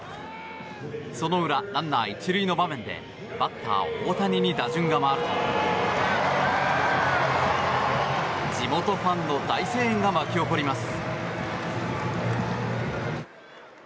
その裏、ランナー１塁の場面でバッター大谷に打順が回ると地元ファンの大声援が巻き起こります。